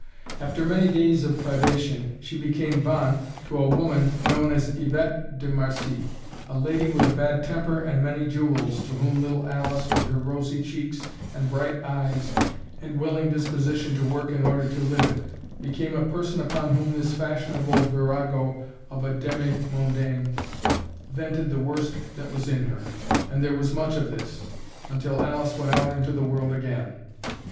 After many days of privation, she became bonne to a woman known as Yvette de Marcie, a lady with a bad temper and many jewels, to whom little Alice, with her rosy cheeks and bright eyes and willing disposition to work in order to live, became a person upon whom this fashionable virago of a demi mondaine vented the worst that was in her and there was much of this until Alice went out into the world again.